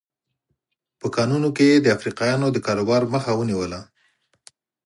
په کانونو کې یې د افریقایانو د کاروبار مخه ونیوله.